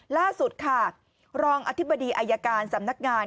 ล่าสุดค่ะรองอธิบดีอายการสำนักงาน